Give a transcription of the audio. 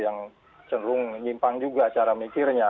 yang cenderung nyimpang juga cara mikirnya